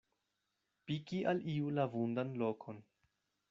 Piki al iu la vundan lokon.